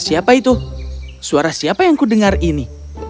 siapa itu suara siapa yang kudengar ini